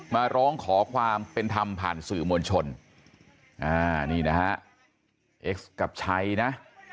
มาร้องขอความเป็นธรรมผ่านสื่อมวลชนอ่านี่นะฮะเอ็กซ์กับชัยนะ